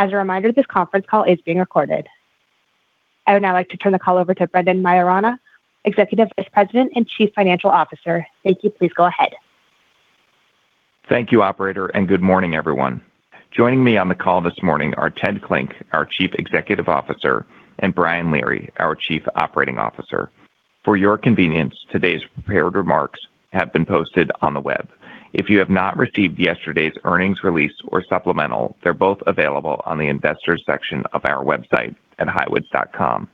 As a reminder, this conference call is being recorded. I would now like to turn the call over to Brendan Maiorana, Executive Vice President and Chief Financial Officer. Thank you. Please go ahead. Thank you, operator, and good morning, everyone. Joining me on the call this morning are Ted Klinck, our Chief Executive Officer, and Brian Leary, our Chief Operating Officer. For your convenience, today's prepared remarks have been posted on the web. If you have not received yesterday's earnings release or supplemental, they're both available on the investors section of our website at highwoods.com.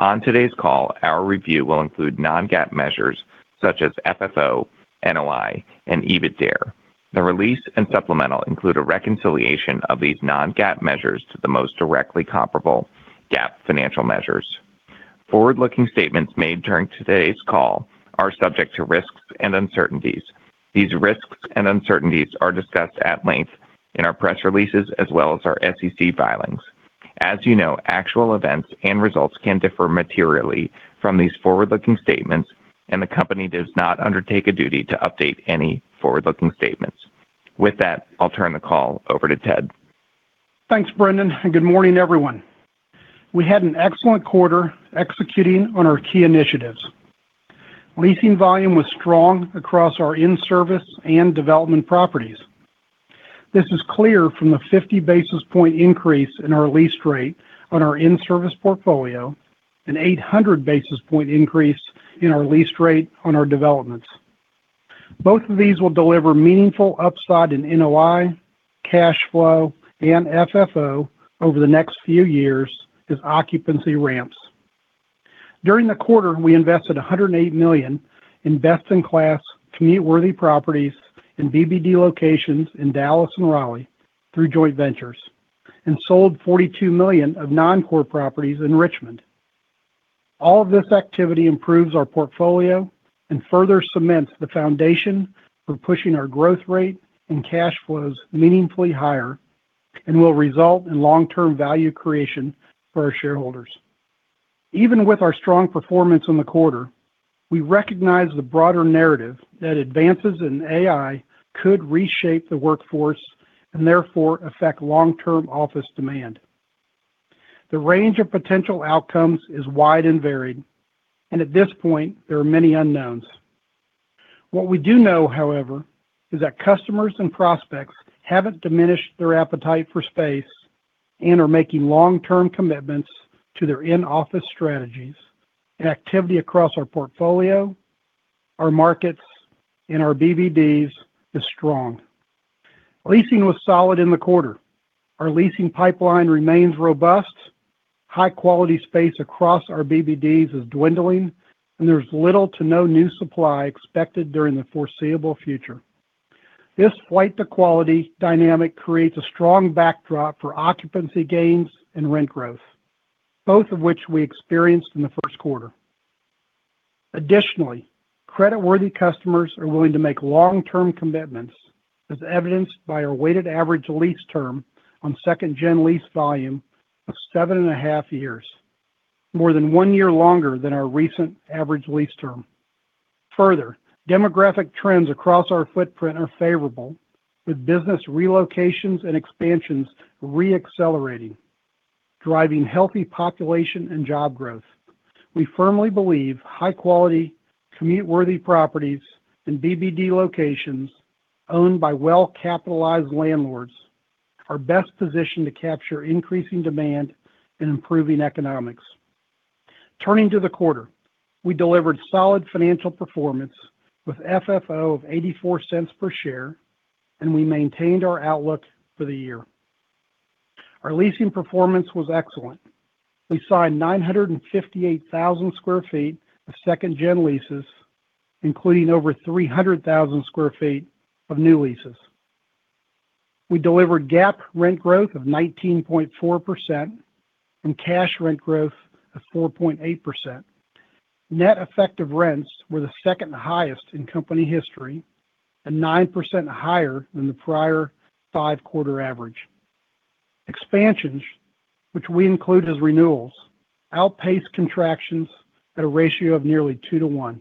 On today's call, our review will include non-GAAP measures such as FFO, NOI, and EBITDARE. The release and supplemental include a reconciliation of these non-GAAP measures to the most directly comparable GAAP financial measures. Forward-looking statements made during today's call are subject to risks and uncertainties. These risks and uncertainties are discussed at length in our press releases as well as our SEC filings. As you know, actual events and results can differ materially from these forward-looking statements, and the company does not undertake a duty to update any forward-looking statements. With that, I'll turn the call over to Ted. Thanks, Brendan. Good morning, everyone. We had an excellent quarter executing on our key initiatives. Leasing volume was strong across our in-service and development properties. This is clear from the 50-basis point increase in our lease rate on our in-service portfolio, an 800-basis point increase in our lease rate on our developments. Both of these will deliver meaningful upside in NOI, cash flow, and FFO over the next few years as occupancy ramps. During the quarter, we invested $108 million in best-in-class commute-worthy properties in BBD locations in Dallas and Raleigh through joint ventures and sold $42 million of non-core properties in Richmond. All of this activity improves our portfolio and further cements the foundation for pushing our growth rate and cash flows meaningfully higher and will result in long-term value creation for our shareholders. Even with our strong performance on the quarter, we recognize the broader narrative that advances in AI could reshape the workforce and therefore affect long-term office demand. The range of potential outcomes is wide and varied, and at this point there are many unknowns. What we do know, however, is that customers and prospects haven't diminished their appetite for space and are making long-term commitments to their in-office strategies. Activity across our portfolio, our markets, and our BBDs is strong. Leasing was solid in the quarter. Our leasing pipeline remains robust. High quality space across our BBDs is dwindling, and there's little to no new supply expected during the foreseeable future. This flight to quality dynamic creates a strong backdrop for occupancy gains and rent growth, both of which we experienced in the first quarter. Demographic trends across our footprint are favorable, with business relocations and expansions re-accelerating, driving healthy population and job growth. We firmly believe high quality, commute-worthy properties in BBD locations owned by well-capitalized landlords are best positioned to capture increasing demand and improving economics. Turning to the quarter, we delivered solid financial performance with FFO of $0.84 per share. We maintained our outlook for the year. Our leasing performance was excellent. We signed 958,000 square feet of second gen leases, including over 300,000 square feet of new leases. We delivered GAAP rent growth of 19.4% and cash rent growth of 4.8%. Net effective rents were the second highest in company history and 9% higher than the prior five quarter average. Expansions, which we include as renewals, outpaced contractions at a ratio of nearly two to one.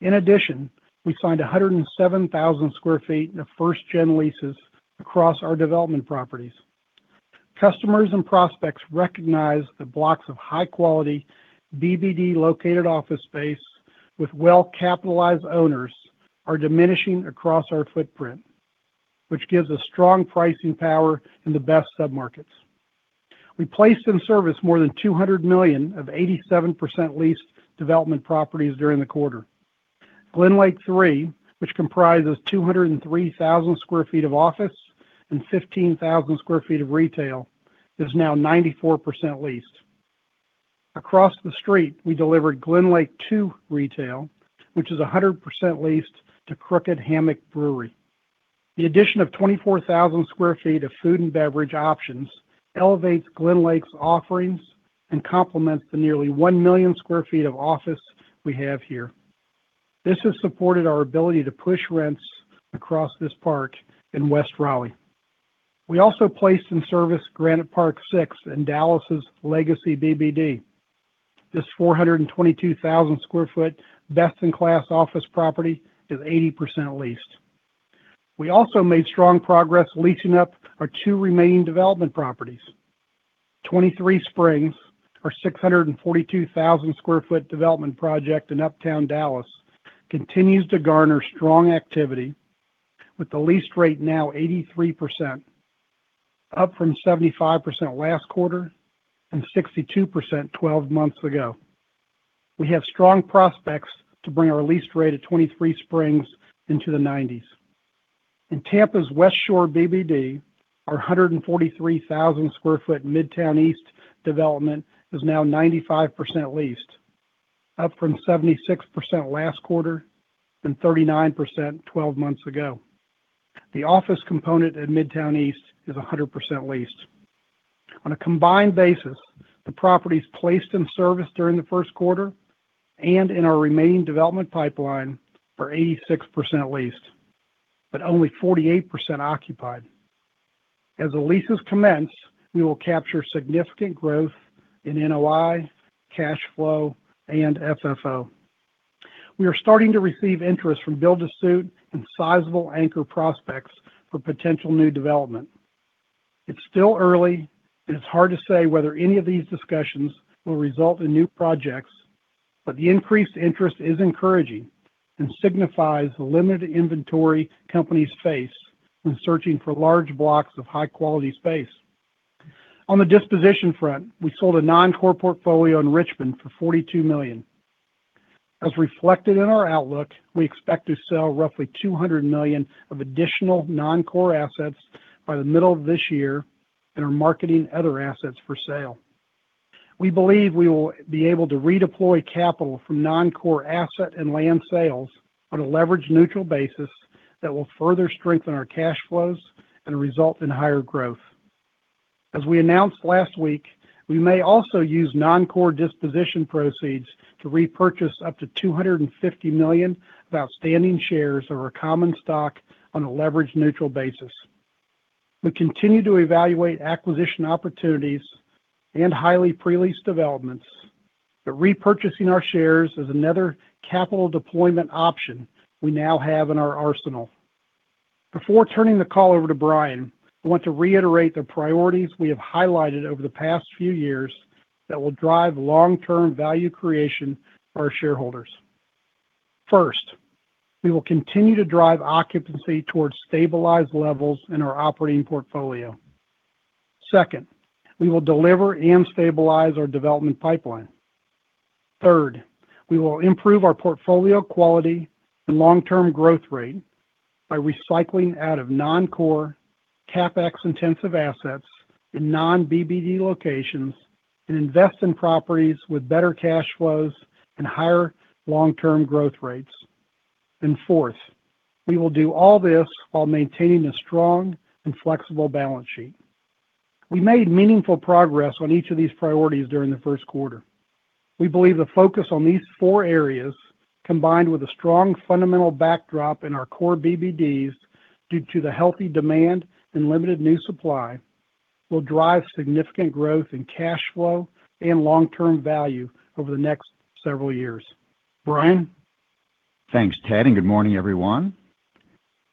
In addition, we signed 107,000 sq ft of first-generation leases across our development properties. Customers and prospects recognize the blocks of high-quality BBD located office space with well capitalized owners are diminishing across our footprint, which gives us strong pricing power in the best submarkets. We placed in service more than $200 million of 87% leased development properties during the quarter. GlenLake III, which comprises 203,000 sq ft of office and 15,000 sq ft of retail, is now 94% leased. Across the street, we delivered GlenLake II retail, which is 100% leased to Crooked Hammock Brewery. The addition of 24,000 square feet of food and beverage options elevates GlenLake's offerings and complements the nearly 1 million square feet of office we have here. This has supported our ability to push rents across this park in West Raleigh. We also placed in service Granite Park Six in Dallas' Legacy BBD. This 422,000 square foot best-in-class office property is 80% leased. We also made strong progress leasing up our two remaining development properties. 23Springs, our 642,000 square foot development project in Uptown Dallas, continues to garner strong activity with the lease rate now 83%, up from 75% last quarter and 62% 12 months ago. We have strong prospects to bring our lease rate at 23Springs into the 90s. In Tampa's Westshore BBD, our 143,000 sq ft Midtown East development is now 95% leased, up from 76% last quarter and 39% 12 months ago. The office component at Midtown East is 100% leased. On a combined basis, the properties placed in service during the first quarter and in our remaining development pipeline are 86% leased, but only 48% occupied. As the leases commence, we will capture significant growth in NOI, cash flow, and FFO. We are starting to receive interest from build-to-suit and sizable anchor prospects for potential new development. It's still early, and it's hard to say whether any of these discussions will result in new projects, but the increased interest is encouraging and signifies the limited inventory companies face when searching for large blocks of high-quality space. On the disposition front, we sold a non-core portfolio in Richmond for $42 million. As reflected in our outlook, we expect to sell roughly $200 million of additional non-core assets by the middle of this year and are marketing other assets for sale. We believe we will be able to redeploy capital from non-core asset and land sales on a leverage-neutral basis that will further strengthen our cash flows and result in higher growth. As we announced last week, we may also use non-core disposition proceeds to repurchase up to $250 million of outstanding shares of our common stock on a leverage-neutral basis. We continue to evaluate acquisition opportunities and highly pre-leased developments, but repurchasing our shares is another capital deployment option we now have in our arsenal. Before turning the call over to Brian, I want to reiterate the priorities we have highlighted over the past few years that will drive long-term value creation for our shareholders. First, we will continue to drive occupancy towards stabilized levels in our operating portfolio. Second, we will deliver and stabilize our development pipeline. Third, we will improve our portfolio quality and long-term growth rate by recycling out of non-core CapEx intensive assets in non-BBD locations and invest in properties with better cash flows and higher long-term growth rates. Fourth, we will do all this while maintaining a strong and flexible balance sheet. We made meaningful progress on each of these priorities during the first quarter. We believe the focus on these four areas, combined with a strong fundamental backdrop in our core BBDs due to the healthy demand and limited new supply, will drive significant growth in cash flow and long-term value over the next several years. Brian? Thanks, Ted. Good morning, everyone.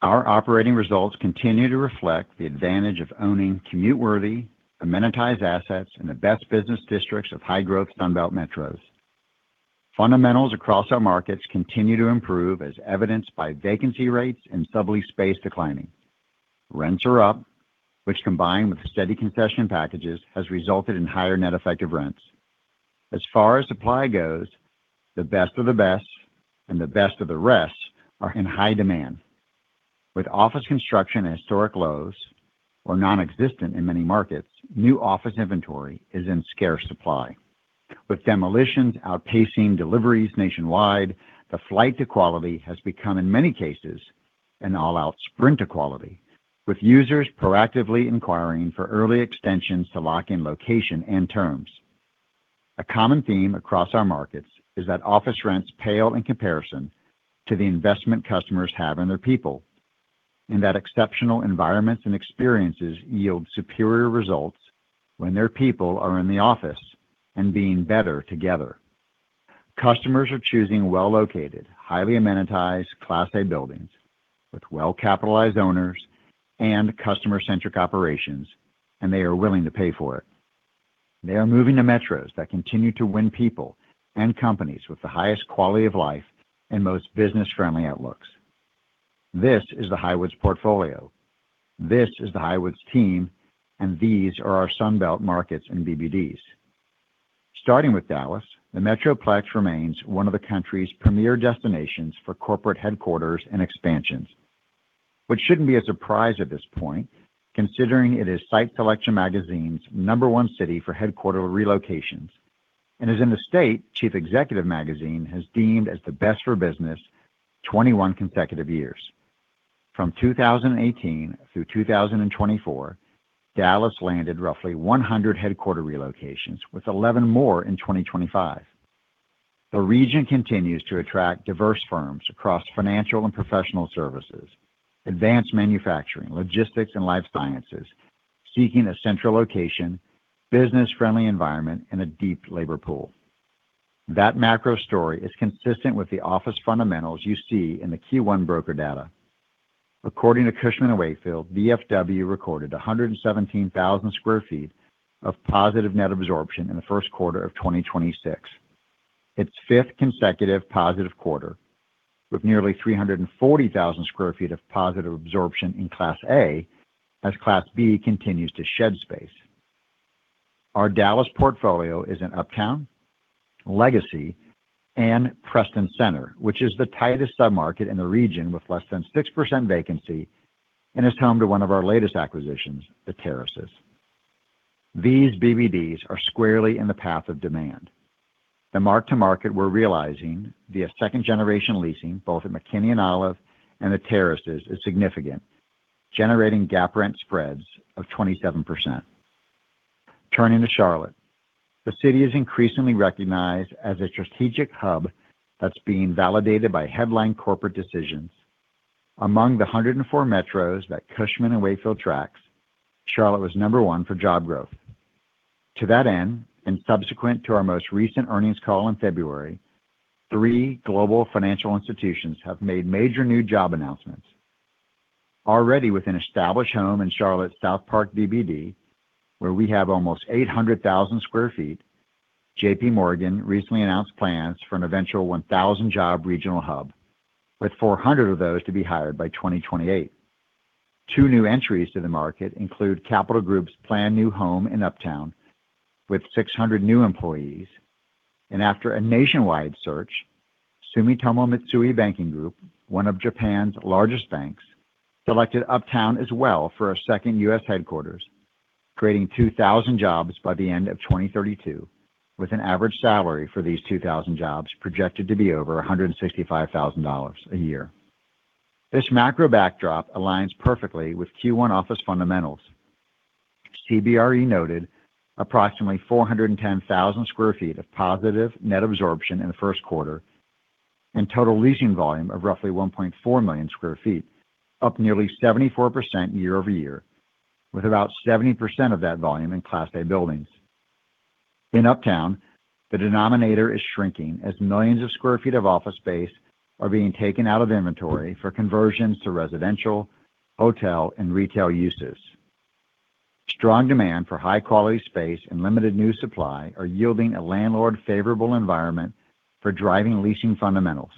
Our operating results continue to reflect the advantage of owning commute-worthy, amenitized assets in the best business districts of high-growth Sunbelt metros. Fundamentals across our markets continue to improve as evidenced by vacancy rates and sublease space declining. Rents are up, which combined with steady concession packages, has resulted in higher net effective rents. As far as supply goes, the best of the best and the best of the rest are in high demand. With office construction at historic lows or non-existent in many markets, new office inventory is in scarce supply. With demolitions outpacing deliveries nationwide, the flight to quality has become, in many cases, an all-out sprint to quality, with users proactively inquiring for early extensions to lock in location and terms. A common theme across our markets is that office rents pale in comparison to the investment customers have in their people, and that exceptional environments and experiences yield superior results when their people are in the office and being better together. Customers are choosing well-located, highly amenitized Class A buildings with well-capitalized owners and customer-centric operations, and they are willing to pay for it. They are moving to metros that continue to win people and companies with the highest quality of life and most business-friendly outlooks. This is the Highwoods portfolio. This is the Highwoods team, and these are our Sunbelt markets and BBDs. Starting with Dallas, the metroplex remains one of the country's premier destinations for corporate headquarters and expansions, which shouldn't be a surprise at this point, considering it is Site Selection Magazine's number one city for headquarter relocations and is in the state Chief Executive Magazine has deemed as the best for business 21 consecutive years. From 2018 through 2024, Dallas landed roughly 100 headquarter relocations, with 11 more in 2025. The region continues to attract diverse firms across financial and professional services, advanced manufacturing, logistics, and life sciences, seeking a central location, business-friendly environment, and a deep labor pool. That macro story is consistent with the office fundamentals you see in the Q1 broker data. According to Cushman & Wakefield, DFW recorded 117,000 sq ft of positive net absorption in the first quarter of 2026. Its fifth consecutive positive quarter, with nearly 340,000 sq ft of positive absorption in Class A as Class B continues to shed space. Our Dallas portfolio is in Uptown, Legacy, and Preston Center, which is the tightest submarket in the region with less than 6% vacancy and is home to one of our latest acquisitions, The Terraces. These BBDs are squarely in the path of demand. The mark to market we're realizing via second-generation leasing, both at McKinney & Olive and at Terraces, is significant, generating gap rent spreads of 27%. Turning to Charlotte, the city is increasingly recognized as a strategic hub that's being validated by headline corporate decisions. Among the 104 metros that Cushman & Wakefield tracks, Charlotte was number one for job growth. To that end, subsequent to our most recent earnings call in February, three global financial institutions have made major new job announcements. Already with an established home in Charlotte South Park BBD, where we have almost 800,000 sq ft, J.P. Morgan recently announced plans for an eventual 1,000 job regional hub, with 400 of those to be hired by 2028. Two new entries to the market include Capital Group's planned new home in Uptown with 600 new employees. After a nationwide search, Sumitomo Mitsui Banking Corporation, one of Japan's largest banks, selected Uptown as well for a second U.S. headquarters, creating 2,000 jobs by the end of 2032, with an average salary for these 2,000 jobs projected to be over $165,000 a year. This macro backdrop aligns perfectly with Q1 office fundamentals. CBRE noted approximately 410,000 sq ft of positive net absorption in the first quarter and total leasing volume of roughly 1.4 million sq ft, up nearly 74% year-over-year, with about 70% of that volume in Class A buildings. In Uptown, the denominator is shrinking as millions of sq ft of office space are being taken out of inventory for conversions to residential, hotel, and retail uses. Strong demand for high-quality space and limited new supply are yielding a landlord favorable environment for driving leasing fundamentals.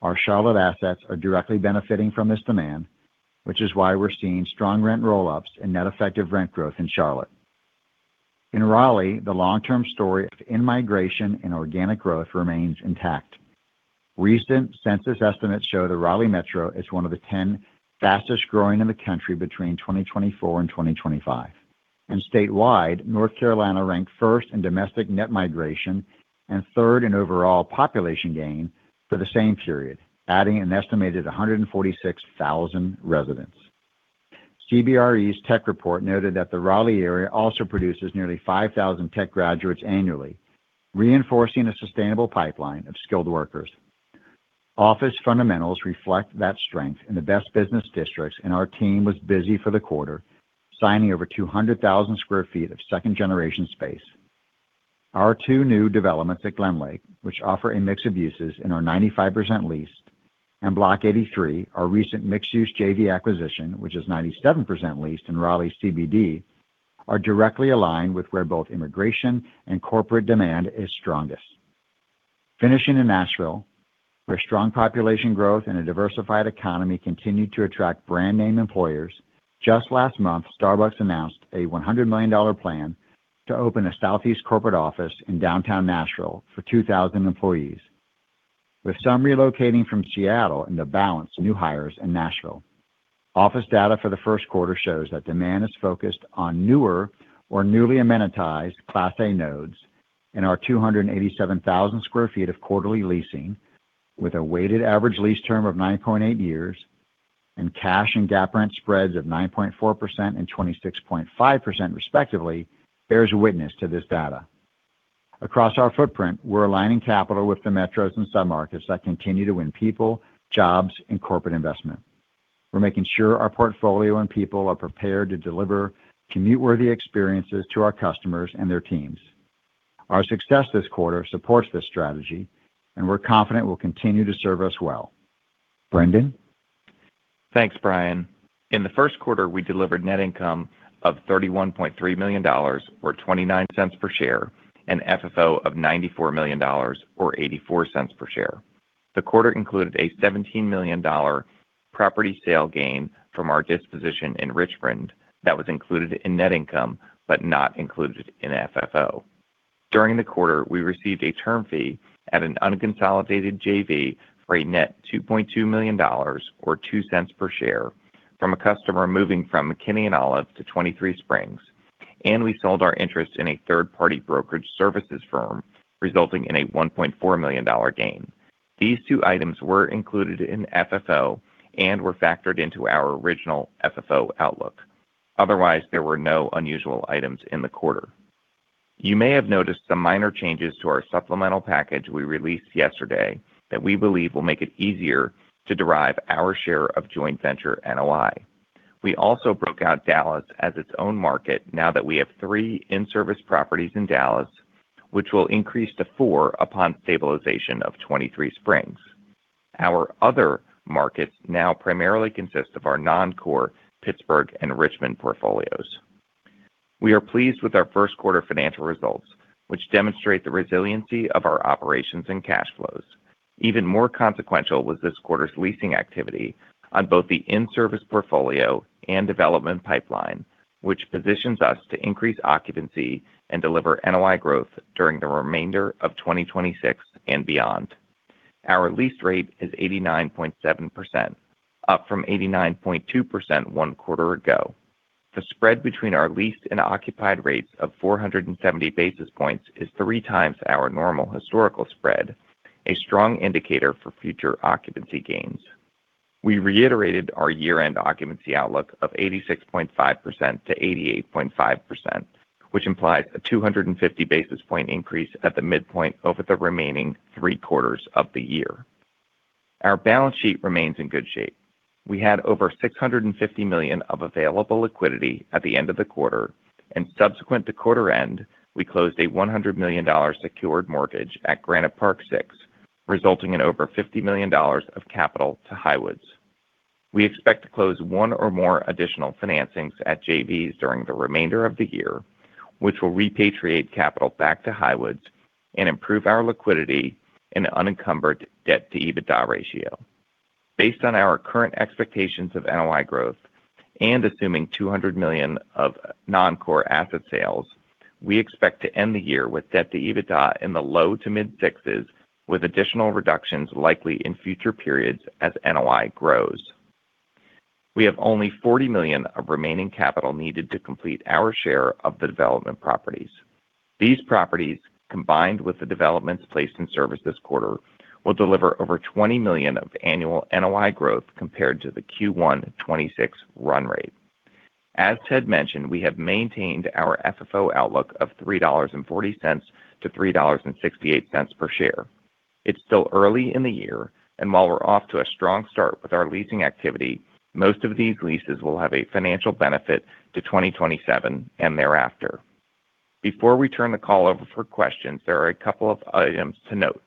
Our Charlotte assets are directly benefiting from this demand, which is why we're seeing strong rent roll-ups and net effective rent growth in Charlotte. In Raleigh, the long-term story of in-migration and organic growth remains intact. Recent census estimates show the Raleigh metro is one of the 10 fastest growing in the country between 2024 and 2025. Statewide, North Carolina ranked first in domestic net migration and third in overall population gain for the same period, adding an estimated 146,000 residents. CBRE's tech report noted that the Raleigh area also produces nearly 5,000 tech graduates annually, reinforcing a sustainable pipeline of skilled workers. Office fundamentals reflect that strength in the best business districts, and our team was busy for the quarter, signing over 200,000 square feet of second-generation space. Our two new developments at GlenLake, which offer a mix of uses and are 95% leased, and Block 83, our recent mixed-use JV acquisition, which is 97% leased in Raleigh CBD, are directly aligned with where both immigration and corporate demand is strongest. Finishing in Nashville, where strong population growth and a diversified economy continue to attract brand name employers. Just last month, Starbucks announced a $100 million plan to open a Southeast corporate office in downtown Nashville for 2,000 employees, with some relocating from Seattle and to balance new hires in Nashville. Office data for the first quarter shows that demand is focused on newer or newly amenitized Class A nodes and our 287,000 sq ft of quarterly leasing with a weighted average lease term of 9.8 years and cash and GAAP rent spreads of 9.4% and 26.5% respectively, bears witness to this data. Across our footprint, we're aligning capital with the metros and submarkets that continue to win people, jobs, and corporate investment. We're making sure our portfolio and people are prepared to deliver commute-worthy experiences to our customers and their teams. Our success this quarter supports this strategy, and we're confident will continue to serve us well. Brendan? Thanks, Brian. In the first quarter, we delivered net income of $31.3 million or $0.29 per share and FFO of $94 million or $0.84 per share. The quarter included a $17 million property sale gain from our disposition in Richmond that was included in net income but not included in FFO. During the quarter, we received a term fee at an unconsolidated JV for a net $2.2 million or $0.02 per share from a customer moving from McKinney & Olive to 23Springs, and we sold our interest in a third-party brokerage services firm, resulting in a $1.4 million gain. These two items were included in FFO and were factored into our original FFO outlook. Otherwise, there were no unusual items in the quarter. You may have noticed some minor changes to our supplemental package we released yesterday that we believe will make it easier to derive our share of joint venture NOI. We also broke out Dallas as its own market now that we have three in-service properties in Dallas, which will increase to four upon stabilization of 23Springs. Our other markets now primarily consist of our non-core Pittsburgh and Richmond portfolios. We are pleased with our first quarter financial results, which demonstrate the resiliency of our operations and cash flows. Even more consequential was this quarter's leasing activity on both the in-service portfolio and development pipeline, which positions us to increase occupancy and deliver NOI growth during the remainder of 2026 and beyond. Our lease rate is 89.7%, up from 89.2% one quarter ago. The spread between our leased and occupied rates of 470 basis points is three times our normal historical spread, a strong indicator for future occupancy gains. We reiterated our year-end occupancy outlook of 86.5%-88.5%, which implies a 250-basis point increase at the midpoint over the remaining three quarters of the year. Our balance sheet remains in good shape. We had over 650 million of available liquidity at the end of the quarter, and subsequent to quarter end, we closed a $100 million secured mortgage at Granite Park Six, resulting in over $50 million of capital to Highwoods. We expect to close one or more additional financings at JVs during the remainder of the year, which will repatriate capital back to Highwoods and improve our liquidity and unencumbered debt-to-EBITDA ratio. Based on our current expectations of NOI growth and assuming $200 million of non-core asset sales, we expect to end the year with debt-to-EBITDA in the low to mid sixes, with additional reductions likely in future periods as NOI grows. We have only $40 million of remaining capital needed to complete our share of the development properties. These properties, combined with the developments placed in service this quarter, will deliver over $20 million of annual NOI growth compared to the Q1 26 run rate. As Ted mentioned, we have maintained our FFO outlook of $3.40 to $3.68 per share. It's still early in the year, and while we're off to a strong start with our leasing activity, most of these leases will have a financial benefit to 2027 and thereafter. Before we turn the call over for questions, there are a couple of items to note.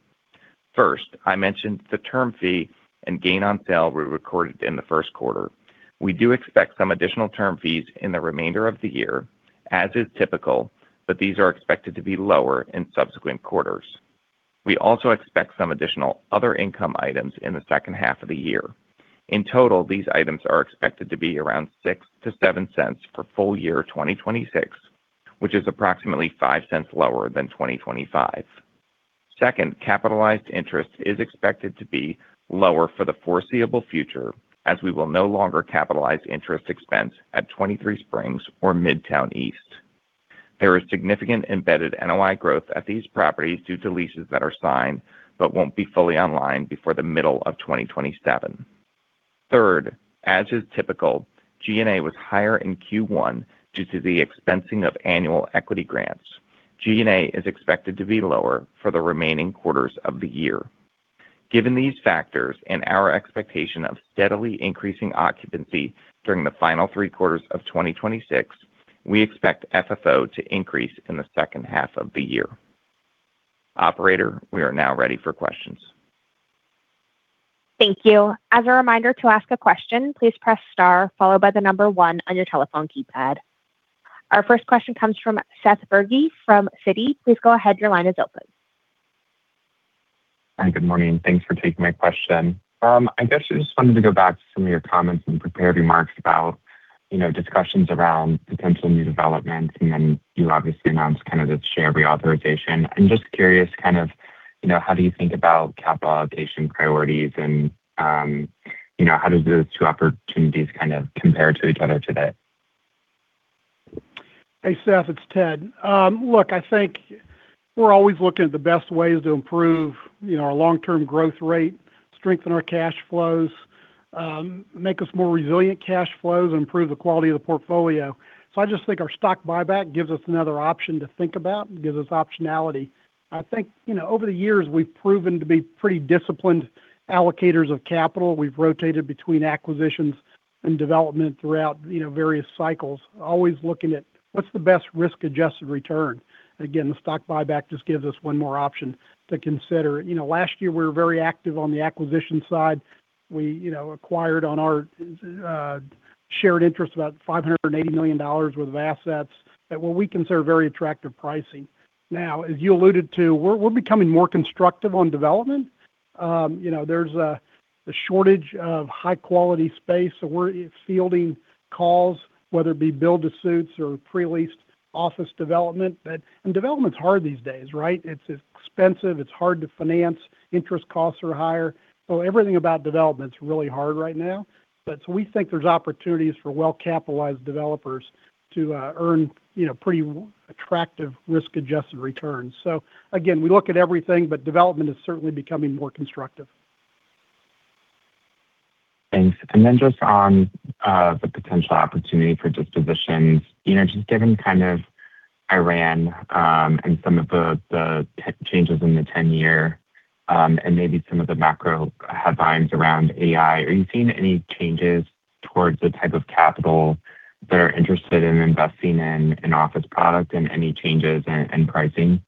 First, I mentioned the term fee and gain on sale we recorded in the first quarter. We do expect some additional term fees in the remainder of the year, as is typical, but these are expected to be lower in subsequent quarters. We also expect some additional other income items in the second half of the year. In total, these items are expected to be around $0.06-$0.07 for full year 2026, which is approximately $0.05 lower than 2025. Second, capitalized interest is expected to be lower for the foreseeable future, as we will no longer capitalize interest expense at 23Springs or Midtown East. There is significant embedded NOI growth at these properties due to leases that are signed but won't be fully online before the middle of 2027. Third, as is typical, G&A was higher in Q1 due to the expensing of annual equity grants. G&A is expected to be lower for the remaining quarters of the year. Given these factors and our expectation of steadily increasing occupancy during the final three quarters of 2026, we expect FFO to increase in the second half of the year. Operator, we are now ready for questions. Thank you. As a reminder to ask a question, please press star followed by the number one on your telephone keypad. Our first question comes from Seth Berge from Citi. Please go ahead. Your line is open. Hi, good morning. Thanks for taking my question. I guess I just wanted to go back to some of your comments and prepared remarks about, you know, discussions around potential new developments, and then you obviously announced kind of the share reauthorization. I'm just curious kind of, you know, how do you think about capitalization priorities and, you know, how do those two opportunities kind of compare to each other today? Hey, Seth, it's Ted. Look, I think we're always looking at the best ways to improve, you know, our long-term growth rate, strengthen our cash flows, make us more resilient cash flows, improve the quality of the portfolio. I just think our stock buyback gives us another option to think about and gives us optionality. I think, you know, over the years, we've proven to be pretty disciplined allocators of capital. We've rotated between acquisitions and development throughout, you know, various cycles, always looking at what's the best risk-adjusted return. Again, the stock buyback just gives us one more option to consider. You know, last year, we were very active on the acquisition side. We, you know, acquired on our shared interest about $580 million worth of assets that were, we consider, very attractive pricing. Now, as you alluded to, we're becoming more constructive on development. You know, there's a shortage of high-quality space, so we're fielding calls, whether it be build-to-suits or pre-leased office development. Development's hard these days, right? It's expensive. It's hard to finance. Interest costs are higher. Everything about development's really hard right now. We think there's opportunities for well-capitalized developers to earn, you know, pretty attractive risk-adjusted returns. Again, we look at everything, but development is certainly becoming more constructive Thanks. Just on the potential opportunity for dispositions. You know, just given kind of rates, and some of the changes in the 10-year, and maybe some of the macro headlines around AI. Are you seeing any changes towards the type of capital they're interested in investing in an office product and any changes in pricing?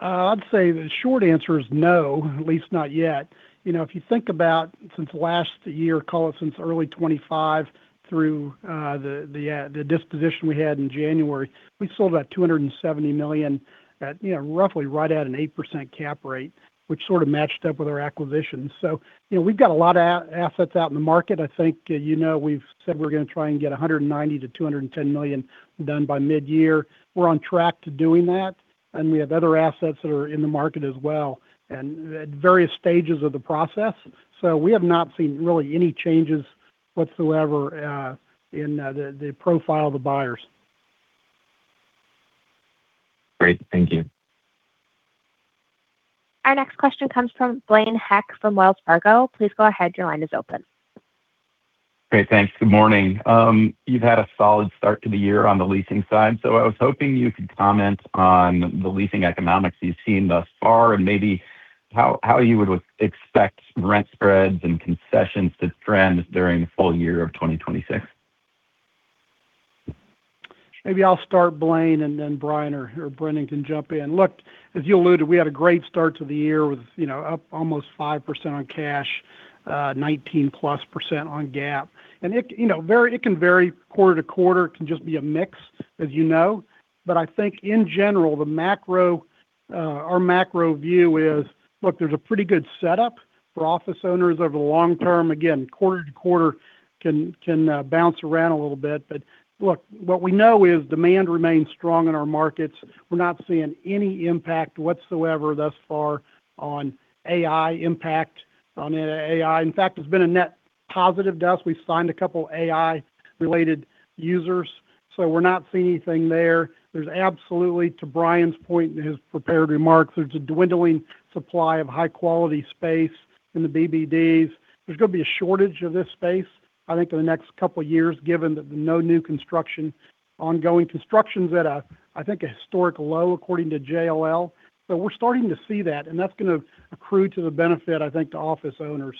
I'd say the short answer is no, at least not yet. You know, if you think about since last year, call it since early 2025, through the disposition we had in January. We sold about $270 million at, you know, roughly right at an 8% cap rate, which sort of matched up with our acquisitions. You know, we've got a lot of assets out in the market. I think, you know, we've said we're gonna try and get $190 million-$210 million done by midyear. We're on track to doing that, and we have other assets that are in the market as well and at various stages of the process. We have not seen really any changes whatsoever in the profile of the buyers. Great. Thank you. Our next question comes from Blaine Heck from Wells Fargo. Please go ahead, your line is open. Great. Thanks. Good morning. You've had a solid start to the year on the leasing side. I was hoping you could comment on the leasing economics you've seen thus far and maybe how you would expect rent spreads and concessions to trend during the full year of 2026? Maybe I'll start, Blaine, and then Brian or Brendan can jump in. Look, as you alluded, we had a great start to the year with, you know, up almost 5% on cash, 19+% on GAAP. It, you know, it can vary quarter to quarter. It can just be a mix, as you know. I think in general, the macro, our macro view is: Look, there's a pretty good setup for office owners over the long term. Again, quarter to quarter can bounce around a little bit. Look, what we know is demand remains strong in our markets. We're not seeing any impact whatsoever thus far on AI. It's been a net positive to us. We've signed a couple AI related users, we're not seeing anything there. There's absolutely, to Brian's point in his prepared remarks, there's a dwindling supply of high-quality space in the BBDs. There's going to be a shortage of this space, I think, in the next couple years, given that no new construction. Ongoing constructions at a, I think, a historic low, according to JLL. We're starting to see that, and that's going to accrue to the benefit, I think, to office owners.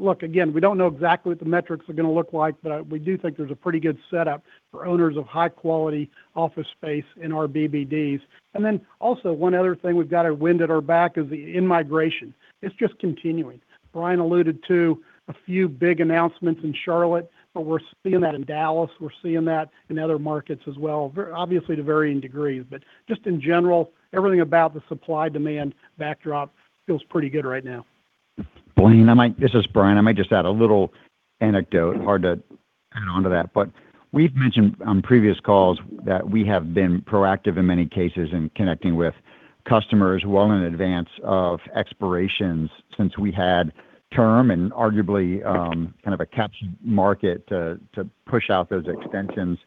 Look, again, we don't know exactly what the metrics are going to look like, but we do think there's a pretty good setup for owners of high-quality office space in our BBDs. Also, one other thing we've got at wind at our back is the in-migration. It's just continuing. Brian alluded to a few big announcements in Charlotte, but we're seeing that in Dallas. We're seeing that in other markets as well, obviously to varying degrees. Just in general, everything about the supply demand backdrop feels pretty good right now. Blaine, this is Brian. I might just add a little anecdote or to add on to that. We've mentioned on previous calls that we have been proactive in many cases in connecting with customers well in advance of expirations since we had term and arguably, kind of a catch market to push out those extensions.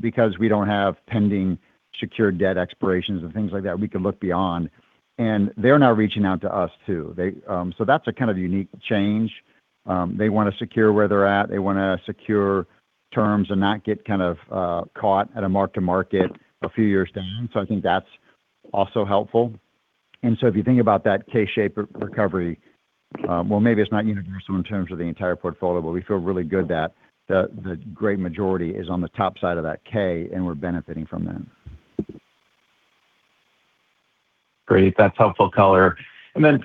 Because we don't have pending secured debt expirations and things like that, we could look beyond. They're now reaching out to us too. They. So, that's a kind of unique change. They wanna secure where they're at. They wanna secure terms and not get kind of caught at a mark to market a few years down. I think that's also helpful. If you think about that K-shaped re-recovery, well, maybe it's not universal in terms of the entire portfolio, but we feel really good that the great majority is on the top side of that K, and we're benefiting from that. Great. That's helpful color.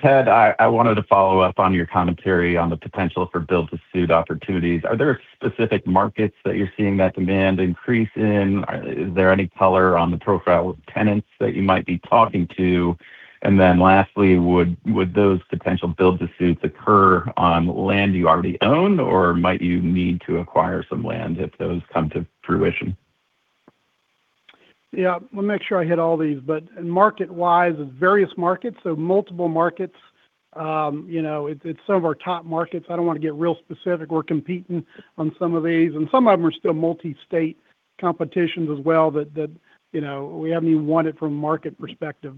Ted, I wanted to follow up on your commentary on the potential for build-to-suit opportunities. Are there specific markets that you're seeing that demand increase in? Is there any color on the profile of tenants that you might be talking to? Lastly, would those potential build-to-suits occur on land you already own, or might you need to acquire some land if those come to fruition? Yeah. Let me make sure I hit all these. Marketwise, there's various markets, so multiple markets. You know, it's some of our top markets. I don't wanna get real specific. We're competing on some of these, and some of them are still multi-state competitions as well that, you know, we haven't even won it from a market perspective.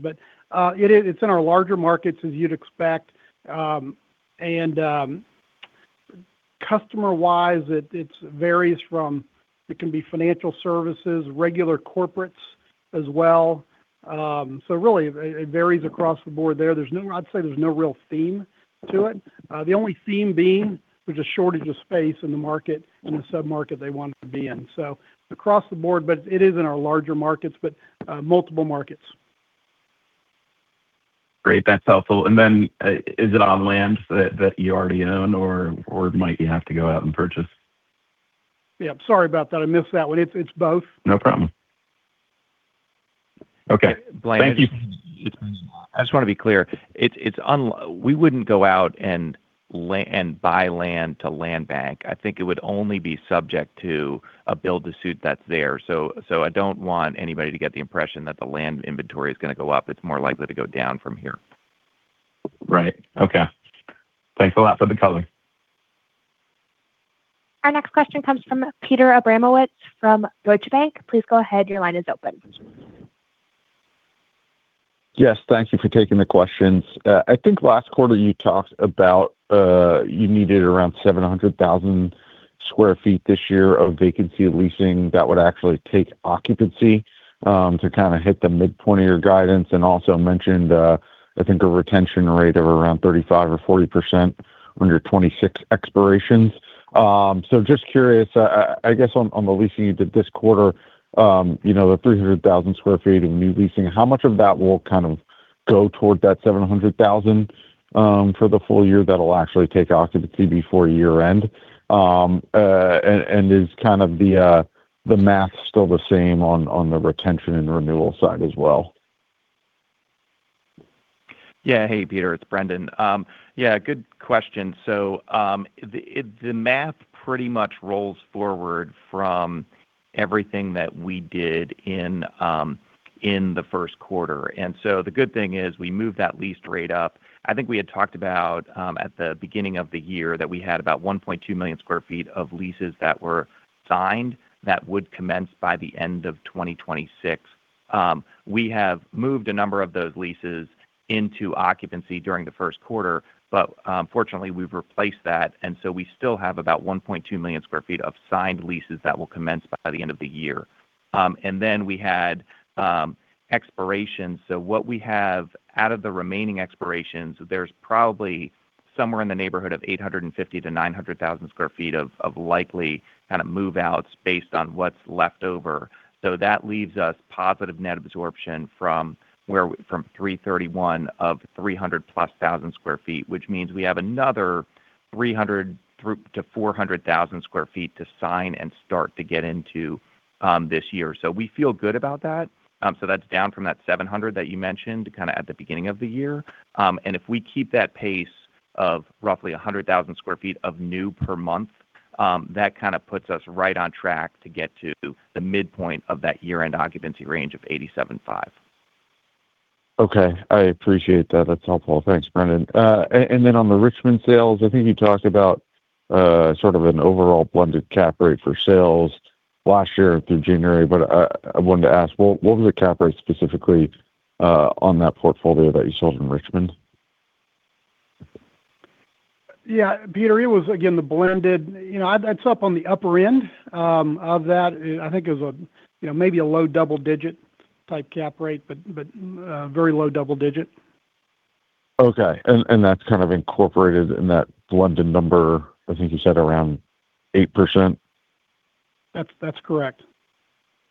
It's in our larger markets, as you'd expect. Customer-wise, it varies from. It can be financial services, regular corporates as well. It varies across the board there. I'd say there's no real theme to it. The only theme being there's a shortage of space in the market, in the sub-market they wanted to be in. Across the board, but it is in our larger markets, but multiple markets. Great. That's helpful. Is it on land that you already own or might you have to go out and purchase? Yeah. Sorry about that. I missed that one. It's both. No problem. Okay. Thank you. Blaine, I just wanna be clear. We wouldn't go out and buy land to land bank. I think it would only be subject to a build-to-suit that's there. I don't want anybody to get the impression that the land inventory is gonna go up. It's more likely to go down from here. Right. Okay. Thanks a lot for the color Our next question comes from Peter Abramowitz from Deutsche Bank. Please go ahead, your line is open. Yes, thank you for taking the questions. I think last quarter you talked about, you needed around 700,000 sq ft this year of vacancy leasing that would actually take occupancy to kind of hit the midpoint of your guidance, and also mentioned, I think a retention rate of around 35% or 40% on your 2026 expirations. Just curious, I guess on the leasing you did this quarter, you know, the 300,000 sq ft of new leasing, how much of that will kind of go toward that 700,000 for the full year that'll actually take occupancy before year-end? Is kind of the math still the same on the retention and renewal side as well? Hey Peter, it's Brendan. Good question. The math pretty much rolls forward from everything that we did in the first quarter. The good thing is we moved that leased rate up. I think we had talked about at the beginning of the year that we had about 1.2 million square feet of leases that were signed that would commence by the end of 2026. We have moved a number of those leases into occupancy during the first quarter, but fortunately we've replaced that and so we still have about 1.2 million square feet of signed leases that will commence by the end of the year. We had expirations. What we have out of the remaining expirations, there's probably somewhere in the neighborhood of 850,000-900,000 square feet of likely kind of move outs based on what's left over. That leaves us positive net absorption from 3/31 of 300,000+ square feet, which means we have another 300,000-400,000 square feet to sign and start to get into this year. We feel good about that. That's down from that 700 that you mentioned kind of at the beginning of the year. If we keep that pace of roughly 100,000 square feet of new per month, that kind of puts us right on track to get to the midpoint of that year-end occupancy range of 87.5%. Okay. I appreciate that. That's helpful. Thanks, Brendan. On the Richmond sales, I think you talked about, sort of an overall blended cap rate for sales last year through January, but I wanted to ask, what was the cap rate specifically, on that portfolio that you sold in Richmond? Yeah, Peter, it was again, the blended. You know, that's up on the upper end of that. I think it was a, you know, maybe a low double digit type cap rate, but very low double digit. Okay. That's kind of incorporated in that blended number, I think you said around 8%? That's correct.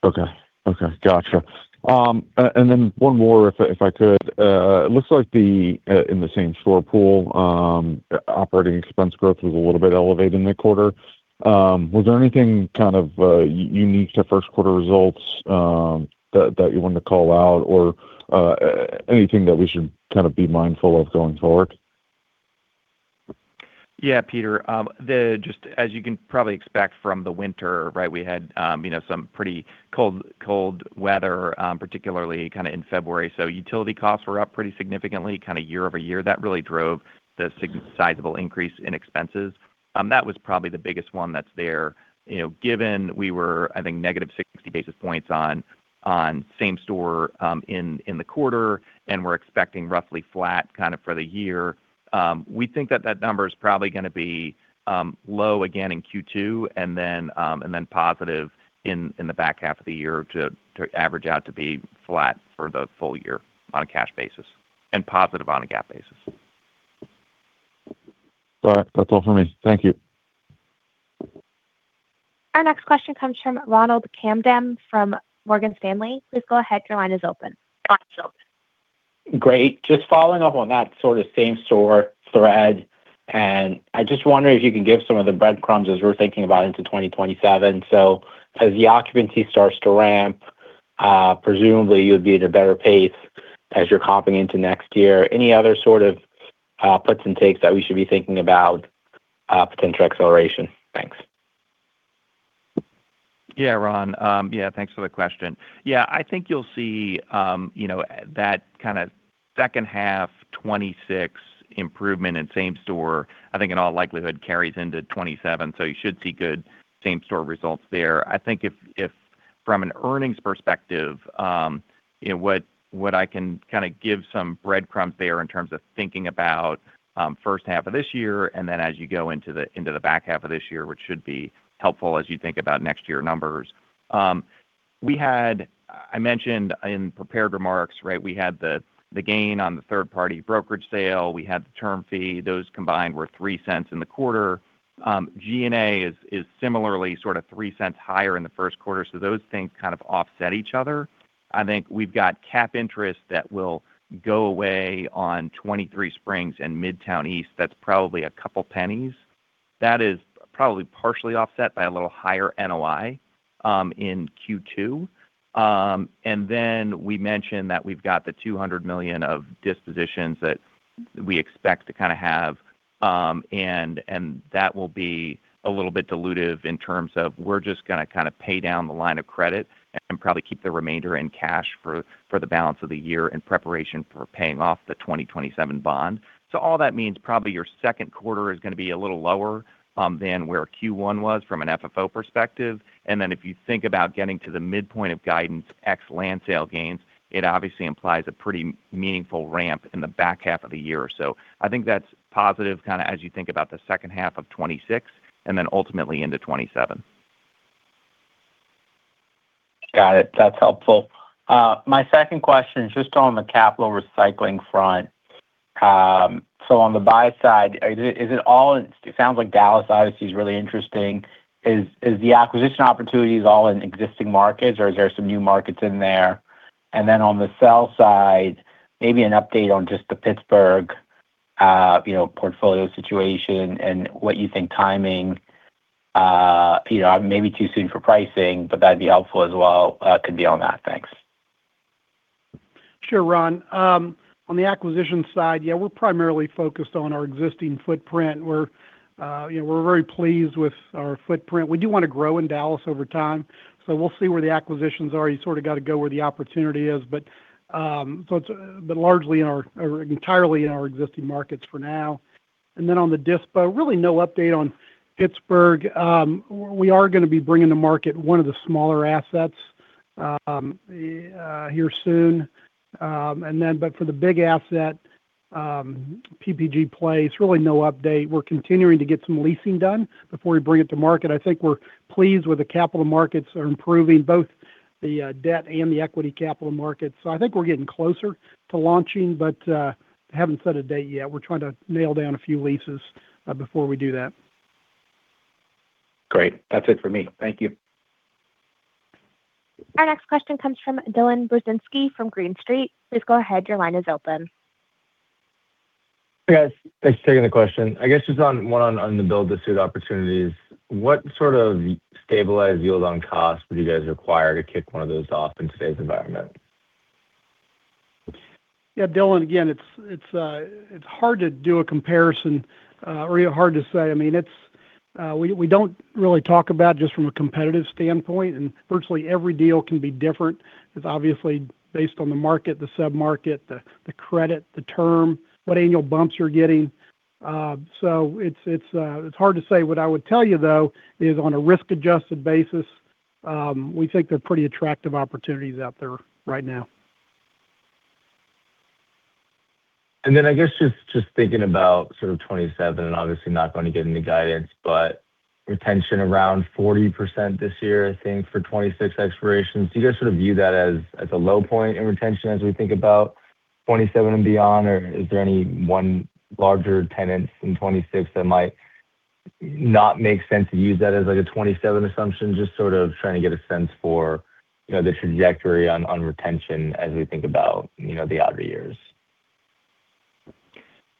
Okay. Okay. Gotcha. Then one more if I could. It looks like the in the same store pool, operating expense growth was a little bit elevated in the quarter. Was there anything kind of unique to first quarter results that you wanted to call out or anything that we should kind of be mindful of going forward? Yeah, Peter. Just as you can probably expect from the winter, right, we had some pretty cold weather, particularly kind of in February. Utility costs were up pretty significantly kind of year-over-year. That really drove the sizable increase in expenses. That was probably the biggest one that's there. Given we were, I think, negative 60 basis points on same store, in the quarter, and we're expecting roughly flat kind of for the year. We think that that number is probably gonna be low again in Q2 and then positive in the back half of the year to average out to be flat for the full year on a cash basis and positive on a GAAP basis. All right. That's all for me. Thank you. Our next question comes from Ronald Kamdem from Morgan Stanley. Please go ahead, your line is open. Great. Just following up on that sort of same store thread, I just wonder if you can give some of the breadcrumbs as we're thinking about into 2027. As the occupancy starts to ramp, presumably you'd be at a better pace as you're copping into next year. Any other sort of puts and takes that we should be thinking about, potential acceleration? Thanks. Ron. Thanks for the question. I think you'll see, you know, that kind of second half 2026 improvement in same store, I think in all likelihood carries into 2027, so you should see good same store results there. I think if from an earnings perspective, you know, what I can kind of give some breadcrumbs there in terms of thinking about first half of this year and then as you go into the back half of this year, which should be helpful as you think about next year numbers. I mentioned in prepared remarks, right? We had the gain on the third-party brokerage sale. We had the term fee. Those combined were $0.03 in the quarter. G&A is similarly sort of $0.03 higher in the first quarter. Those things kind of offset each other. I think we've got cap interest that will go away on 23Springs and Midtown East. That's probably $0.02. That is probably partially offset by a little higher NOI in Q2. We mentioned that we've got the $200 million of dispositions that we expect to kind of have, and that will be a little bit dilutive in terms of we're just gonna kind of pay down the line of credit and probably keep the remainder in cash for the balance of the year in preparation for paying off the 2027 bond. All that means probably your second quarter is gonna be a little lower than where Q1 was from an FFO perspective. If you think about getting to the midpoint of guidance ex land sale gains, it obviously implies a pretty meaningful ramp in the back half of the year or so. I think that's positive kinda as you think about the second half of 2026 and then ultimately into 2027. Got it. That's helpful. My second question is just on the capital recycling front. On the buy side, is it, is it all in. It sounds like Dallas obviously is really interesting. Is the acquisition opportunities all in existing markets or is there some new markets in there? On the sell side, maybe an update on just the Pittsburgh, you know, portfolio situation and what you think timing, you know, maybe too soon for pricing, but that'd be helpful as well, could be on that. Thanks. Sure, Ron. On the acquisition side, yeah, we're primarily focused on our existing footprint. We're, you know, we're very pleased with our footprint. We do wanna grow in Dallas over time, we'll see where the acquisitions are. You sorta gotta go where the opportunity is. Largely in our, or entirely in our existing markets for now. On the dispo, really no update on Pittsburgh. We are gonna be bringing to market one of the smaller assets here soon. For the big asset, PPG Place, really no update. We're continuing to get some leasing done before we bring it to market. I think we're pleased with the capital markets are improving, both the debt and the equity capital markets. I think we're getting closer to launching but haven't set a date yet. We're trying to nail down a few leases before we do that. Great. That's it for me. Thank you. Our next question comes from Dylan Burzinski from Green Street. Please go ahead, your line is open. Hey, guys. Thanks for taking the question. I guess just on the build-to-suit opportunities, what sort of stabilized yield on cost would you guys require to kick one of those off in today's environment? Yeah, Dylan, again, it's hard to do a comparison, or hard to say. I mean, we don't really talk about just from a competitive standpoint. Virtually every deal can be different. It's obviously based on the market, the sub-market, the credit, the term, what annual bumps you're getting. It's hard to say. What I would tell you though is on a risk-adjusted basis, we think there are pretty attractive opportunities out there right now. I guess just thinking about sort of 2027, and obviously not going to get any guidance, but retention around 40% this year, I think, for 2026 expirations. Do you guys' sort of view that as a low point in retention as we think about 2027 and beyond? Or is there any one larger tenant in 2026 that might not make sense to use that as like a 2027 assumption? Just sort of trying to get a sense for, you know, the trajectory on retention as we think about, you know, the outer years.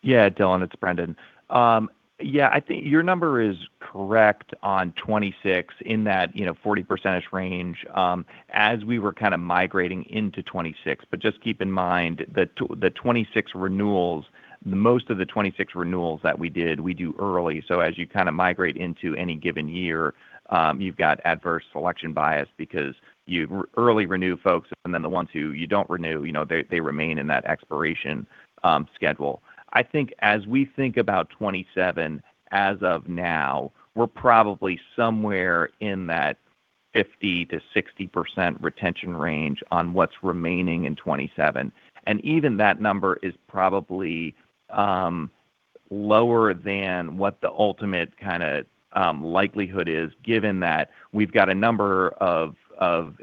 Yeah, Dylan, it's Brendan. I think your number is correct on 2026 in that, you know, 40% range, as we were kind of migrating into 2026. Just keep in mind that the 2026 renewals, most of the 2026 renewals that we did, we do early. As you kind of migrate into any given year, you've got adverse selection bias because you early renew folks and then the ones who you don't renew, you know, they remain in that expiration schedule. I think as we think about 2027 as of now, we're probably somewhere in that 50%-60% retention range on what's remaining in 2027. Even that number is probably lower than what the ultimate kind of likelihood is, given that we've got a number of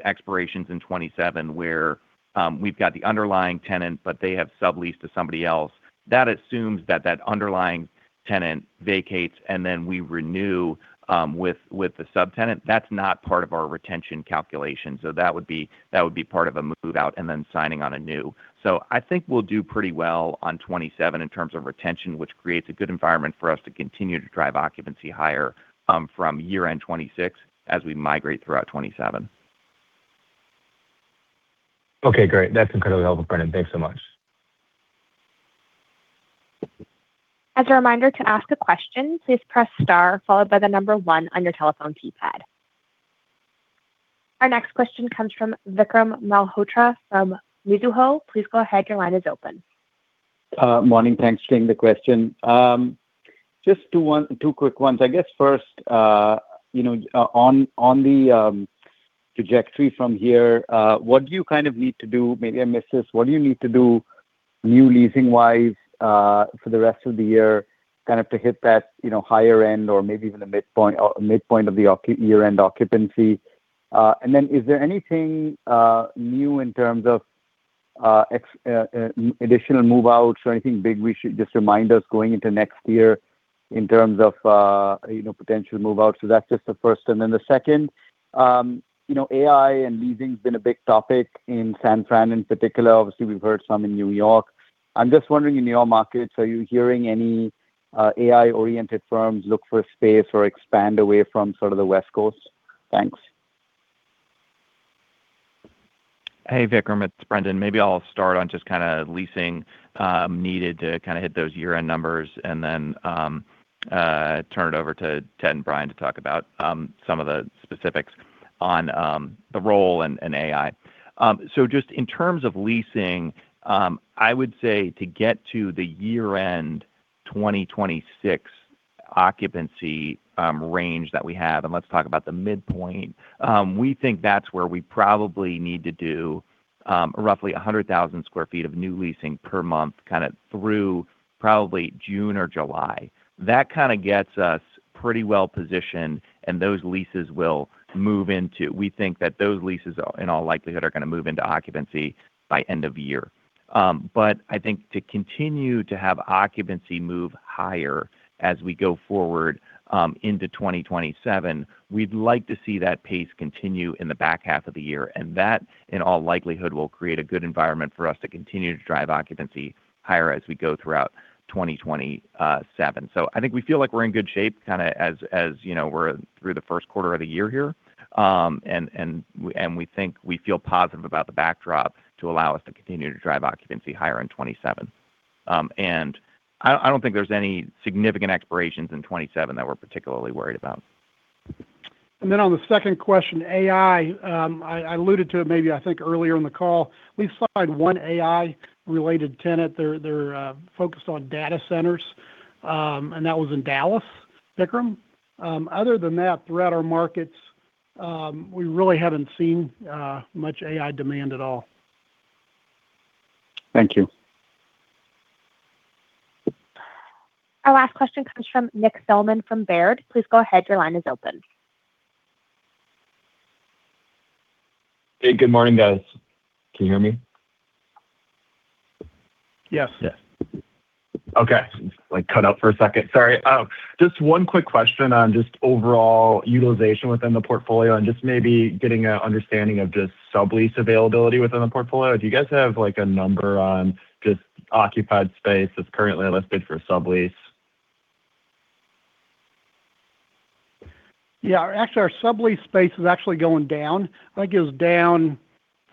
expirations in 2027 where we've got the underlying tenant, but they have subleased to somebody else. That assumes that that underlying tenant vacates, and then we renew with the subtenant. That's not part of our retention calculation, so that would be part of a move-out and then signing on a new. I think we'll do pretty well on 2027 in terms of retention, which creates a good environment for us to continue to drive occupancy higher from year-end 2026 as we migrate throughout 2027. Okay, great. That's incredibly helpful, Brendan. Thanks so much. Our next question comes from Vikram Malhotra from Mizuho. Please go ahead, your line is open. Morning. Thanks for taking the question. Just two quick ones. I guess first, you know, on the trajectory from here, what do you kind of need to do, maybe I missed this, what do you need to do new leasing-wise for the rest of the year, kind of to hit that, you know, higher end or maybe even a midpoint of the year-end occupancy? Is there anything new in terms of additional move-outs or anything big we should just remind us going into next year in terms of, you know, potential move-outs? That's just the first. The second, you know, AI and leasing's been a big topic in San Fran in particular. We've heard some in New York. I'm just wondering, in your markets, are you hearing any AI-oriented firms look for space or expand away from sort of the West Coast? Thanks. Hey Vikram, it's Brendan. Maybe I'll start on just kinda leasing, needed to kinda hit those year-end numbers and then turn it over to Ted and Brian to talk about some of the specifics on the role in AI. Just in terms of leasing, I would say to get to the year-end 2026 occupancy range that we have, and let's talk about the midpoint, we think that's where we probably need to do roughly 100,000 square feet of new leasing per month, kind of through probably June or July. That kind of gets us pretty well-positioned. We think that those leases, in all likelihood, are gonna move into occupancy by end of year. I think to continue to have occupancy move higher as we go forward into 2027, we'd like to see that pace continue in the back half of the year, and that, in all likelihood, will create a good environment for us to continue to drive occupancy higher as we go throughout 2027. I think we feel like we're in good shape kind of as, you know, we're through the first quarter of the year here. We think we feel positive about the backdrop to allow us to continue to drive occupancy higher in 2027. I don't think there's any significant expirations in 2027 that we're particularly worried about. On the second question, AI, I alluded to it maybe I think earlier in the call. We've signed one AI related tenant. They're focused on data centers, and that was in Dallas, Vikram. Other than that, throughout our markets, we really haven't seen much AI demand at all. Thank you. Our last question comes from Nick Thillman from Baird. Please go ahead, your line is open. Hey, good morning, guys. Can you hear me? Yes. Yes. Okay. It, like, cut out for a second. Sorry. Just one quick question on just overall utilization within the portfolio and just maybe getting a understanding of just sublease availability within the portfolio. Do you guys have, like, a number on just occupied space that's currently listed for sublease? Actually, our sublease space is actually going down. I think it was down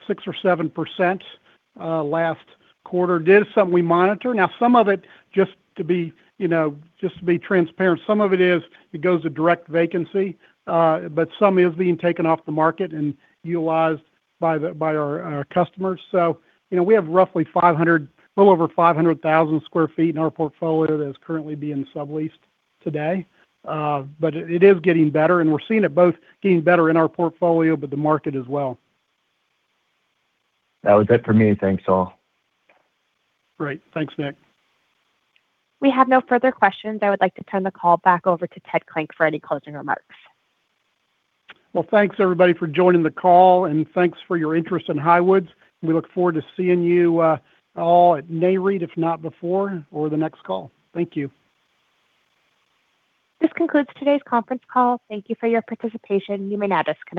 6% or 7% last quarter. It is something we monitor. Some of it just to be, you know, just to be transparent, it goes to direct vacancy. Some is being taken off the market and utilized by our customers. You know, we have roughly 500,000, a little over 500,000 sq ft in our portfolio that is currently being subleased today. It is getting better, and we're seeing it both getting better in our portfolio, but the market as well. That was it for me. Thanks, all. Great. Thanks, Nick. We have no further questions. I would like to turn the call back over to Ted Klinck for any closing remarks. Well, thanks everybody for joining the call, and thanks for your interest in Highwoods. We look forward to seeing you, all at Nareit, if not before, or the next call. Thank you. This concludes today's conference call. Thank you for your participation. You may now disconnect.